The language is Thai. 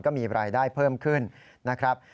ก็มีรายได้เพิ่มขึ้นนะครับ